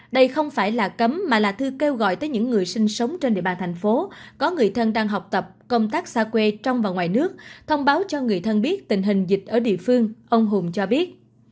đây không phải là cấm mà là thư kêu gọi tới những người sinh sống trên địa bàn thành phố có người thân đang học tập công tác xa quê trong và ngoài nước thông báo cho người thân biết tình hình dịch ở địa phương ông hùng cho biết